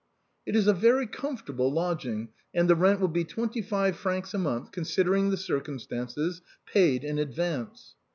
" It is a very comfortable lodging, and the rent will be twenty five francs a month, considering the circumstances, paid in advance."